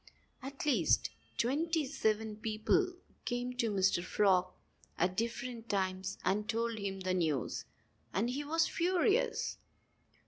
At least twenty seven people came to Mr. Frog at different times and told him the news. And he was furious.